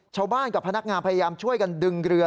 ชาวบ้านกับพนักงานพยายามช่วยกันดึงเรือ